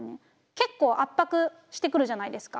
結構圧迫してくるじゃないですか。